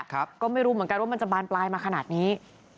ก็ไม่รู้เหมือนกันว่ามันจะบานปลายมาขนาดนี้